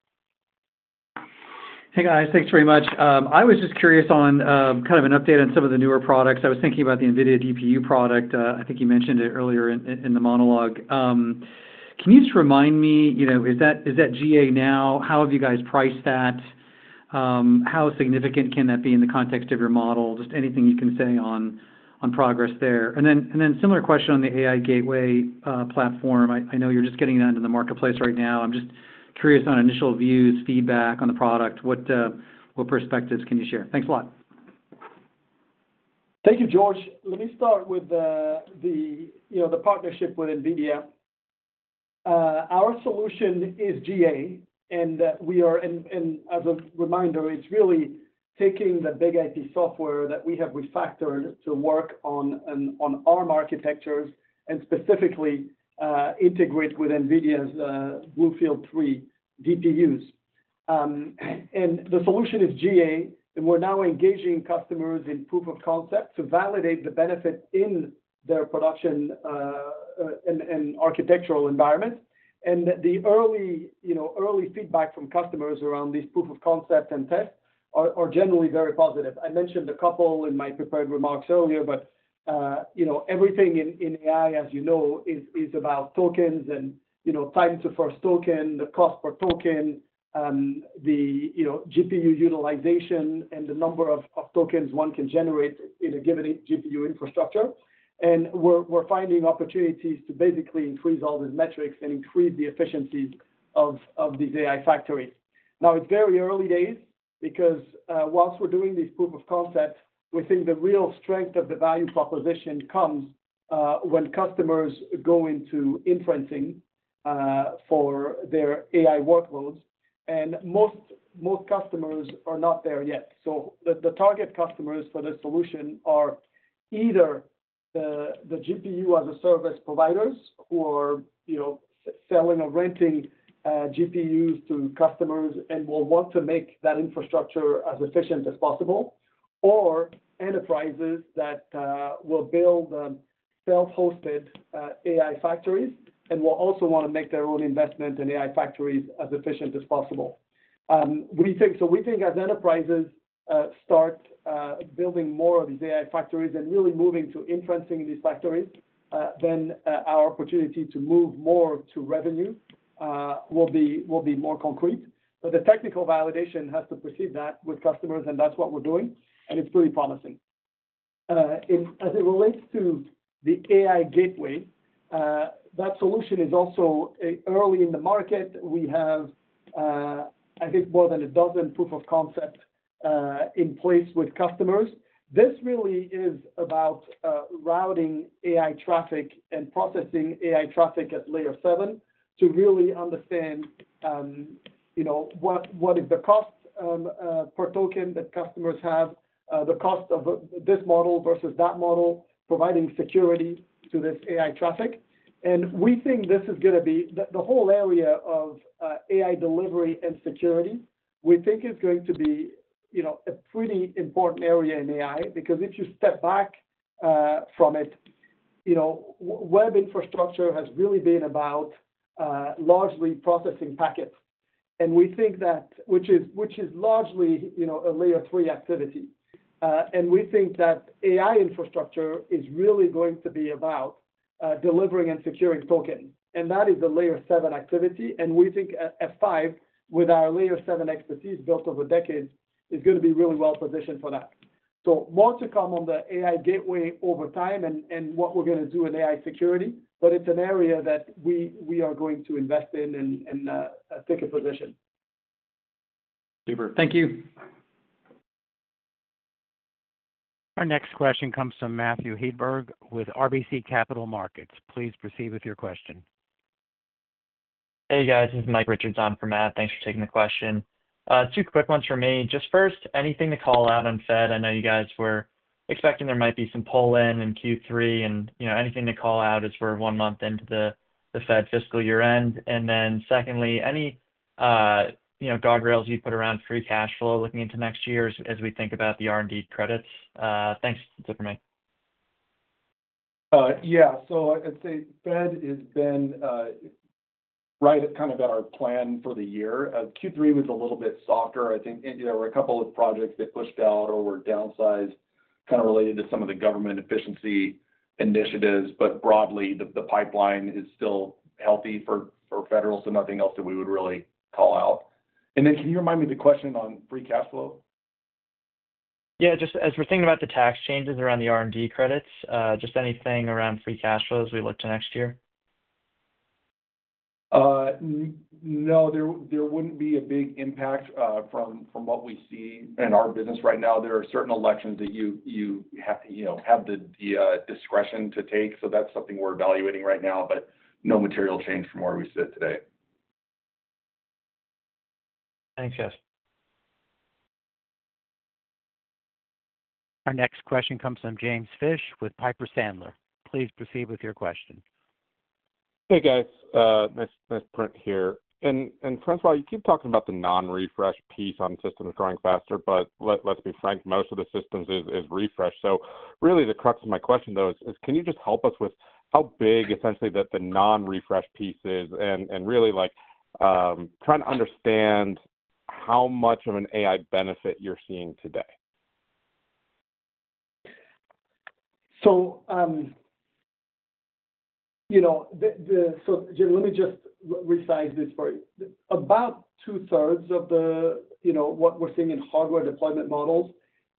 Hey guys, thanks very much. I was just curious on kind of an update on some of the newer products. I was thinking about the NVIDIA DPU product. I think you mentioned it earlier in the monologue. Can you just remind me, you know, is that GA now? How have you guys priced that? How significant can that be in the context of your model? Just anything you can say on progress there and then similar question on the AI Gateway platform. I know you're just getting that into the marketplace right now. I'm just curious on initial views, feedback on the product. What perspectives can you share? Thanks a lot. Thank you, George. Let me start with the, you know, the partnership with NVIDIA. Our solution is GA and we are, and as a reminder, it's really taking the BIG-IP software that we have refactored to work on ARM architectures and specifically integrate with NVIDIA's BlueField-3 DPUs. The solution is GA and we're now engaging customers in proof of concept to validate the benefit in their production and architectural environment. The early feedback from customers around this proof of concept and test are generally very positive. I mentioned a couple in my prepared remarks earlier, but, you know, everything in AI, as you know, is about tokens and, you know, time to first token, the cost per token, the GPU utilization, and the number of tokens one can generate in a given GPU infrastructure. We're finding opportunities to basically increase all these metrics and increase the efficiencies of the factory. Now, it's very early days because whilst we're doing these proof of concept, we think the real strength of the value proposition comes when customers go into inferencing for their AI workloads, and most customers are not there yet. The target customers for this solution are either the GPU as a service providers who are selling or renting GPUs to customers and will want to make that infrastructure as efficient as possible, or enterprises that will build self-hosted AI factories and will also want to make their own investment in AI factories as efficient as possible. We think as enterprises start building more of these AI factories and really moving to inferencing these factories, then our opportunity to move more to revenue will be more concrete. The technical validation has to precede that with customers, and that's what we're doing, and it's pretty promising. As it relates to the AI Gateway, that solution is also early in the market. We have, I think, more than a dozen proof of concept in place with customers. This really is about routing AI traffic and processing AI traffic at layer 7 to really understand what is the cost per token that customers have, the cost of this model versus that model, providing security to this AI traffic. We think this is going to be, the whole area of AI delivery and security, we think, is going to be a pretty important area in AI because if you step back from it, web infrastructure has really been about largely processing packets, and we think that, which is largely a layer three activity. We think that AI infrastructure is really going to be about delivering and securing tokens and that is the layer 7 activity. We think F5 with our layer 7 expertise built over a decade is going to be really well positioned for that. More to come on the AI gateway over time and what we're going to do in AI security. It is an area that we are going to invest in and take a position. Thank you. Our next question comes from Matthew Hedberg with RBC Capital Markets. Please proceed with your question. Hey guys, this is Mike Richardson from Matt, thanks for taking the question. Two quick ones for me. Just first, anything to call out on Fed. I know you guys were expecting there might be some pull-in in Q3 and you know, anything to call out as we're one month into the Fed fiscal year end. Then secondly, any, you know, guardrails you put around free cash flow looking into next year as we think about the R&D credits. Thanks. Tip for me. Yeah, so I'd say Fed has been. Right at kind of at our plan for the year, Q3 was a little bit softer. I think there were a couple of projects that pushed out or were downsized, kind of related to some of the government efficiency initiatives. Broadly, the pipeline is still healthy for federal. Nothing else that we would really call out. Can you remind me the. Question on free cash flow. Yeah, just as we're thinking about the. Tax changes around the R&D credits, just anything around free cash flows, we look to next year. No, there wouldn't be a big impact from what we see in our business right now, there are certain elections that you have to, you know, have the discretion to take. That is something we're evaluating right now, but no material change from where we sit today. Thanks, Jess. Our next question comes from James Fish with Piper Sandler. Please proceed with your question. Hey guys, nice print here. François, you keep talking about the non refresh piece on systems growing faster. Let's be frank, most of the systems is refreshed. The crux of my question though is can you just help us with how big essentially that the non refresh piece is and really like trying to understand how much of an AI benefit you're seeing today. So. You know, let me just resize this for about two thirds of the, you know, what we're seeing in hardware deployment models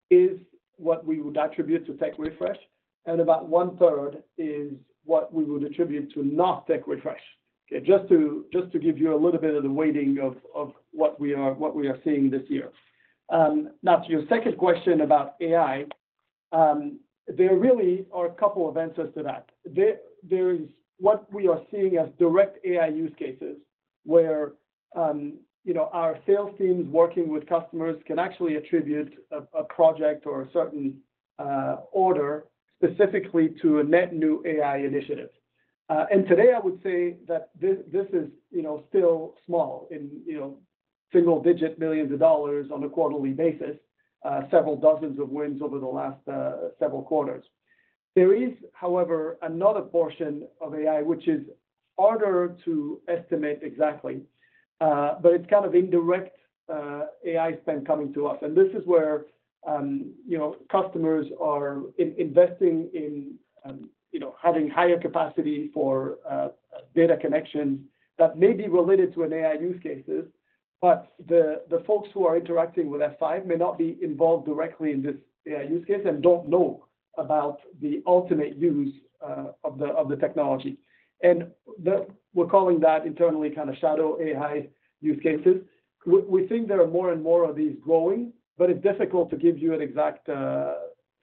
is what we would attribute to tech refresh and about one third is what we would attribute to not tech refresh, just to give you a little bit of the weighting of what we are, what we are seeing this year. Now to your second question about AI. There really are a couple of answers to that. There is what we are seeing as direct AI use cases where our sales teams working with customers can actually attribute a project or a certain order specifically to a net new AI initiative. And today I would say that this is still small in single digit millions of dollars on a quarterly basis. Several, dozens of wins over the last several quarters. There is, however, another portion of AI which is harder to estimate exactly, but it's kind of indirect AI spend coming to us. This is where, you know, customers are investing in, you know, having higher capacity for data connection. That may be related to an AI use case. The folks who are interacting with F5 may not be involved directly in this use case and do not know about the ultimate use of the technology, and we are calling that internally kind of shadow AI use cases. We think there are more and more of these growing, but it's difficult to give you an exact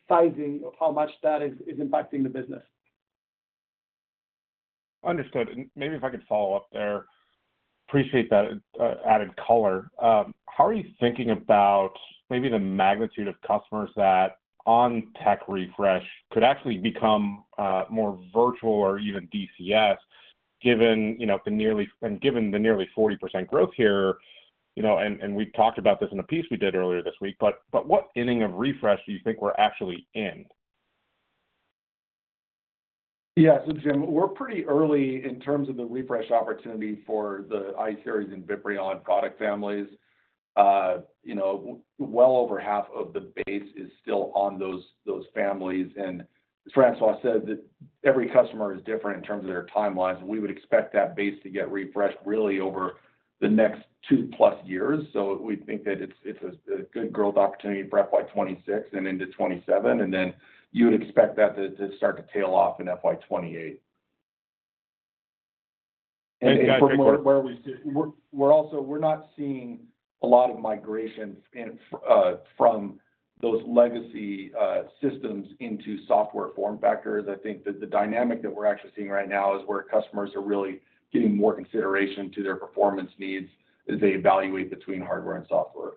sizing of how much that is impacting the business. Understood. Maybe if I could follow up there, appreciate that added color. How are you thinking about maybe the magnitude of customers that on tech refresh could actually become more virtual or even DCS given, you know, the nearly, and given the nearly 40% growth here, you know, and we talked about this in a piece we did earlier this week. What inning of refresh do you think we're actually in? Yeah, Jim, we're pretty early in terms of the refresh opportunity for the I Series and VIPRION product families. You know, well over half of the base is still on those families and as François said that every customer is different in terms of their timelines. We would expect that base to get refreshed really over the next two plus years. We think that it's a good growth opportunity, breadth by 2026 and into 2027, and then you would expect that to start to tail off in FY2028. We're also, we're not seeing a lot of migrations from those legacy systems into software form factors. I think that the dynamic that we're actually seeing right now is where customers are really giving more consideration to their performance needs as they evaluate between hardware and software.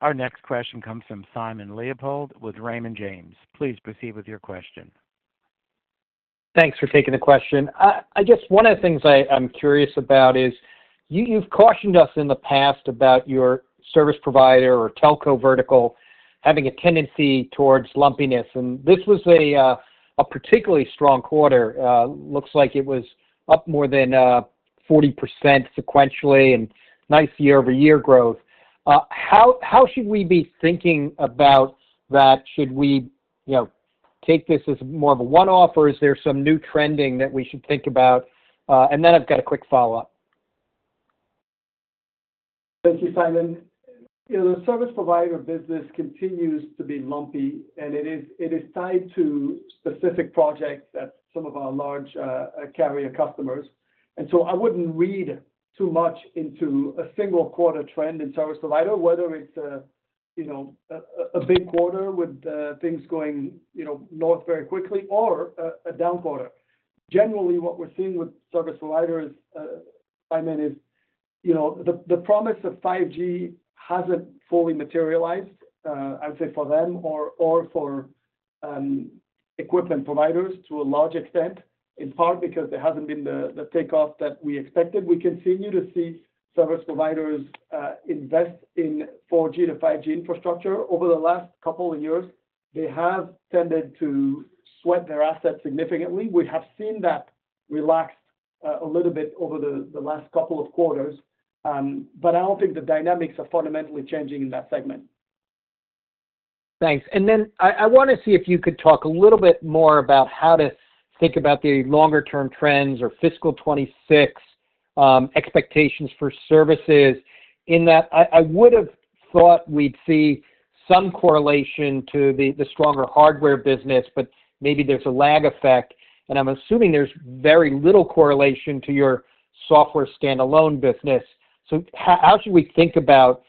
Our next question comes from Simon Leopold with Raymond James. Please proceed with your question. Thanks for taking the question. I guess one of the things I'm curious about is you've cautioned us in the past about your service provider or telco vertical having a tendency towards lumpiness and this was a particularly strong quarter. Looks like it was up more than 40% sequentially and nice year over year growth. How should we be thinking about that? Should we, you know, take this as more of a one off or is there some new trending that we should think about? And then I've got a quick follow up. Thank you, Simon. You know, the service provider business continues to be lumpy and it is tied to specific project at some of our large carrier customers. I wouldn't read too much into a single quarter trend in service provider, whether it's, you know, a big quarter with things going, you know, north very quickly or a down quarter. Generally what we're seeing with service providers, I mean, is, you know, the promise of 5G hasn't fully materialized, I'd say for them or for equipment providers to a large extent in part because there hasn't been the takeoff that we expected. We continue to see service providers invest in 4G to 5G infrastructure. Over the last couple of years they have tended to wet their assets significantly. We have seen that relax a little bit over the last couple of quarters, but I don't think the dynamics are fundamentally changing in that segment. Thanks. I want to see if you could talk a little bit more about how to think about the longer term trends or fiscal 2026 expectations for services. In that I would have thought we'd see some correlation to the stronger hardware business, but maybe there's a lag effect and I'm assuming there's very little correlation to your software standalone business. How should we think about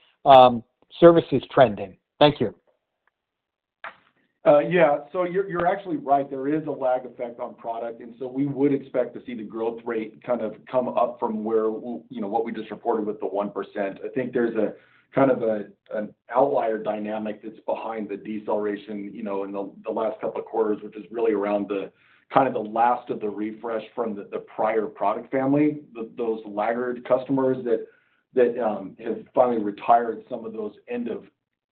services trending? Thank you. Yeah, so you're actually right, there is a lag effect on product and so we would expect to see the growth rate kind of come up from where, you know, what we just reported with the 1%. I think there's a kind of an outlier dynamic that's behind the deceleration, you know, in the last couple of quarters, which is really around the kind of the last of the refresh from the prior product family. Those laggard customers that have finally retired some of those end of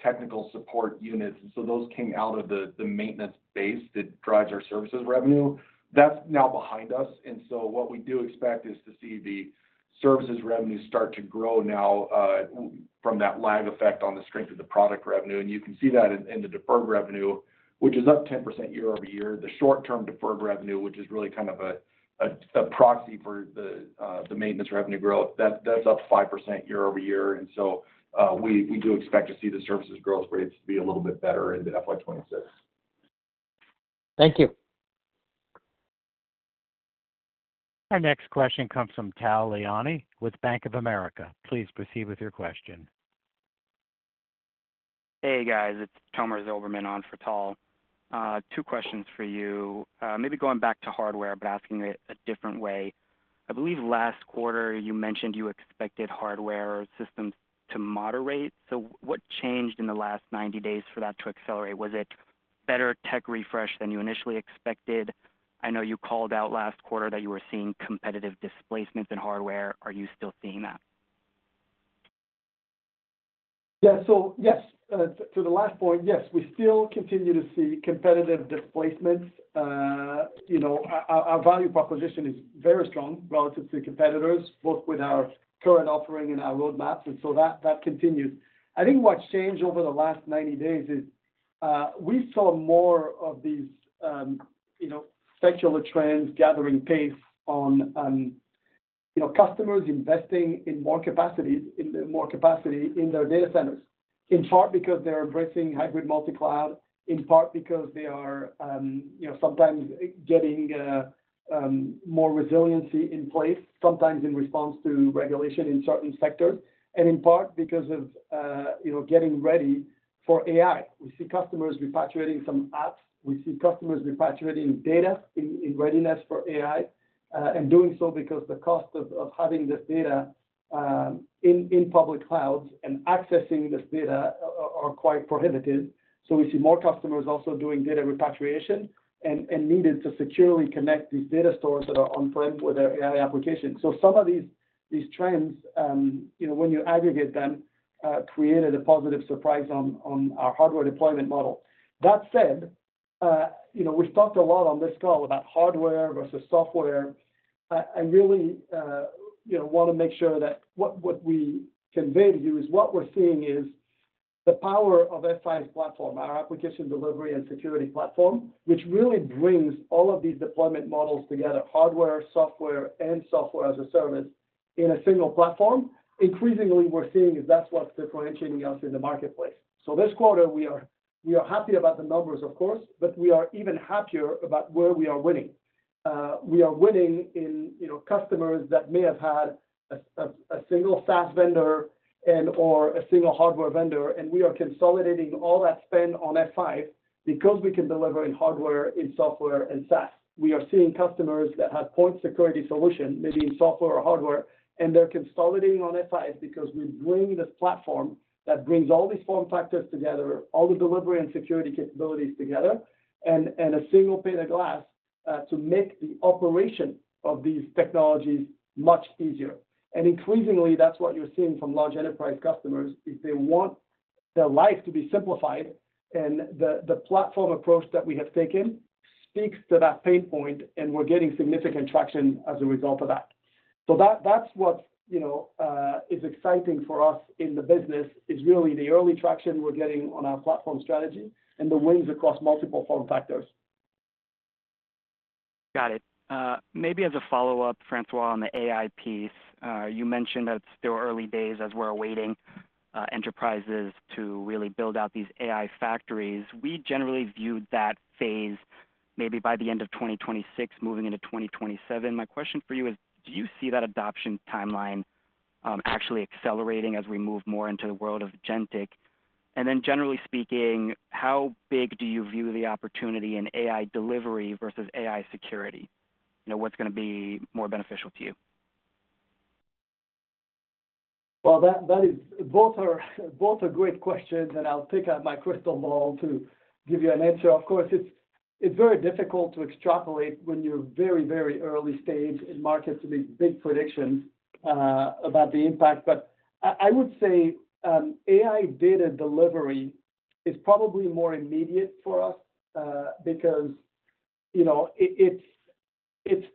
technical support units. And so those came out of the maintenance base that drives our services revenue that's now behind us. What we do expect is to see the services revenues start to grow now from that lag effect on the strength of the product revenue. You can see that in the deferred revenue, which is up 10% year over year. The short term deferred revenue, which is really kind of a proxy for the maintenance revenue growth, that's up 5% year over year. We do expect to see the services growth rates be a little bit better in the FY2026. Thank you. Our next question comes from Tal Liani with Bank of America. Please proceed with your question. Hey guys, it's Tomer Zilberman on for Tal. Two questions for you. Maybe going back to hardware, but asking it a different way. I believe last quarter you mentioned you expected hardware systems to moderate. So what changed in the last 90 days for that to accelerate? Was it better tech refresh than you initially expected? I know you called out last quarter that you were seeing competitive displacements in hardware. Are you still seeing that? Yeah. So yes, to the last point, yes, we still continue to see competitive displacements. You know, our value proposition is very strong relative to competitors, both with our current offering and our roadmap. That continues. I think what's changed over the last 90 days is we saw more of these secular trends gathering pace on customers investing in more capacity in their data centers, in part because they're embracing hybrid multi-cloud, in part because they are sometimes getting more resiliency in place, sometimes in response to regulation in certain sectors, and in part because of getting ready for AI. We see customers repatriating some apps. We see customers repatriating data in readiness for AI and doing so because the cost of having this data in public clouds and accessing this data are quite prohibitive. We see more customers also doing data repatriation and needing to securely connect these data stores that are on prem with their AI applications. Some of these trends, when you aggregate them, created a positive surprise on our hardware deployment model. That said, we've talked a lot on this call about hardware versus software. I really want to make sure that what we convey to you is what we're seeing is the power of SIS platform, our application delivery and security platform, which really brings all of these deployment models together. Hardware, software, and software as a service in a single platform. Increasingly, we're seeing that's what's differentiating us in the marketplace. This quarter we are happy about the numbers, of course, but we are even happier about where we are winning. We are winning in customers that may have had a single SaaS vendor and, or a single hardware vendor. We are consolidating all that spend on F5 because we can deliver in hardware, in software, and SaaS. We are seeing customers that have point security solution, maybe in software or hardware, and they're consolidating on F5 because we bring this platform that brings all these form factors together, all the delivery and security capabilities together, and a single pane of glass to make the operation of these technologies much easier. Increasingly, that's what you're seeing from large enterprise customers if they want their life to be simplified. The platform approach that we have taken speaks to that pain point and we're getting significant traction as a result of that. That's what is exciting for us in the business. It's really the early traction we're getting on our platform strategy and the wins across multiple form factors. Got it. Maybe as a follow up, François, on the AI piece, you mentioned that it's still early days as we're awaiting enterprises to really build out these AI factories. We generally viewed that phase maybe by the end of 2026, moving into 2027. My question for you is, do you see that adoption timeline actually accelerating as we move more into the world of genAI? And then generally speaking, how big do you view the opportunity in AI delivery versus AI security? What's going to be more beneficial to you? That is, both are great questions and I'll take out my crystal ball to give you an answer. Of course it's, it's very difficult to. Extrapolate when you're very, very early stage in markets to make big predictions about the impact. I would say AI data delivery is probably more immediate for us because, you know, it's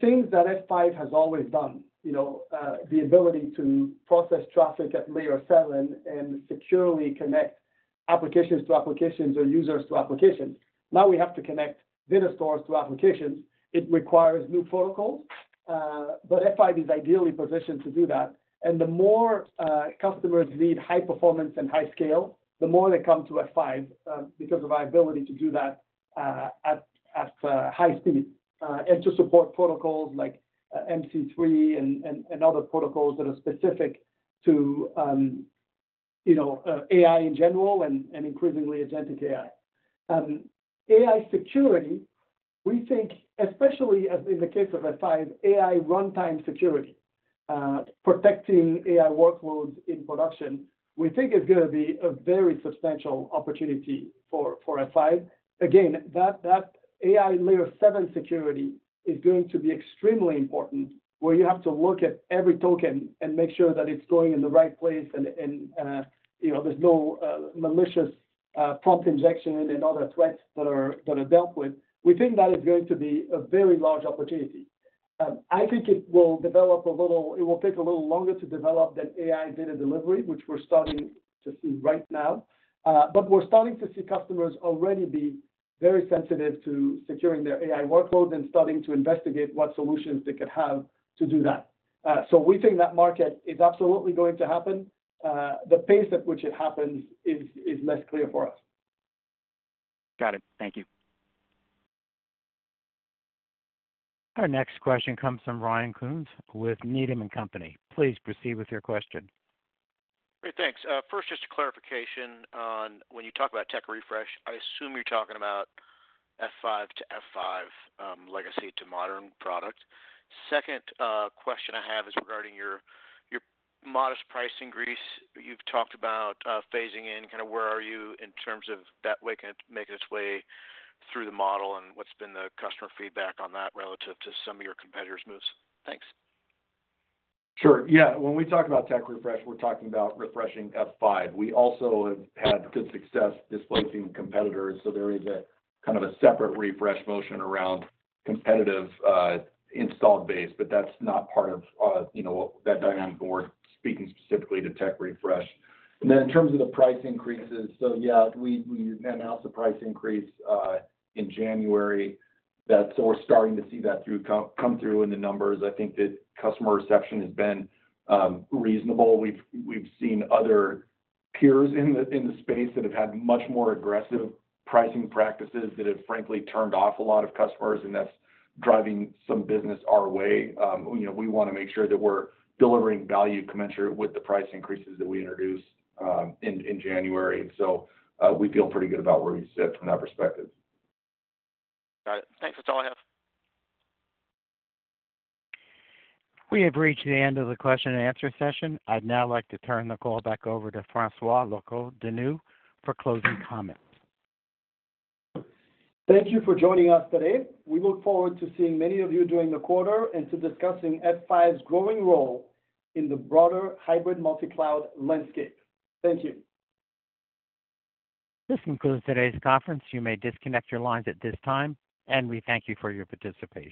things that F5 has always done. You know, the ability to process traffic at Layer 7 and securely connect applications to applications or users to application. Now we have to connect data stores to application. It requires new protocols, but F5 is ideally positioned to do that. The more customers need high performance and high scale, the more they come to F5 because of our ability to do that at high speed and to support protocols like MC3 and other protocols that are specific to AI in general and increasingly agentic AI, AI security. We think, especially in the case of F5 AI runtime security protecting AI workload in production, we think it's going to be a very substantial opportunity for F5. Again, that AI Layer 7 security is going to be extremely important where you have to look at every token and make sure that it's going in the right place and there's no malicious prompt injection and other threats that are dealt with. We think that is going to be a very large opportunity. I think it will develop a little. It will take a little longer to develop than AI data delivery, which we're starting to see right now. We're starting to see customers already be very sensitive to securing their AI workloads and starting to investigate what solutions they could have to do that. We think that market is absolutely going to happen. The pace at which it happens is less clear for us. Got it. Thank you. Our next question comes from Ryan Coons with Needham & Company. Please proceed with your question. Great, thanks. First, just a clarification on when you talk about tech refresh, I assume you're talking about F5 to F5 legacy to modern product. Second question I have is regarding your modest price increase. You've talked about phasing in kind of where are you in terms of that making its way through the model and what's been the customer feedback on that. Relative to some of your competitors' moves. Thanks. Sure. Yeah. When we talk about tech refresh, we're talking about refreshing F5. We also have had good success displacing competitors. So there is a kind of a. Separate refresh motion around competitive installed base. That's not part of, you know, that dynamic board. Speaking specifically to tech refresh. In terms of the price increases, yeah, we announced the price increase in January. We are starting to see that come through in the numbers. I think that customer reception has been reasonable. We have seen other peers in the space that have had much more aggressive pricing practices that have frankly turned off a lot of customers, and that is driving some business our way. You know, we want to make sure that we are delivering value commensurate with the price increases that we introduced in January. We feel pretty good about where we sit from that perspective. Got it. Thanks. We have reached the end of the question and answer session. I'd now like to turn the call back over to François Locoh-Donou for closing comments. Thank you for joining us today. We look forward to seeing many of you. You during the quarter and to discussing F5's growing role in the broader hybrid multi-cloud landscape. Thank you. This concludes today's conference. You may disconnect your lines at this time. We thank you for your participation.